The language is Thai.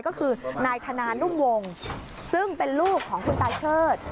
ก็คือนายธนานรุ่งวงซึ่งเป็นลูกของคุณตาเชิด